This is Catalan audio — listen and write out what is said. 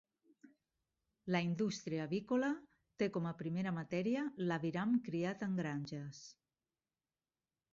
La indústria avícola té com a primera matèria l'aviram criat en granges.